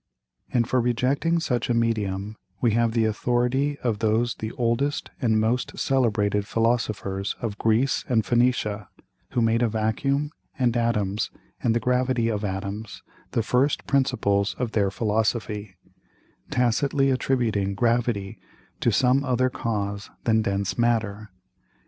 And for rejecting such a Medium, we have the Authority of those the oldest and most celebrated Philosophers of Greece and Phoenicia, who made a Vacuum, and Atoms, and the Gravity of Atoms, the first Principles of their Philosophy; tacitly attributing Gravity to some other Cause than dense Matter.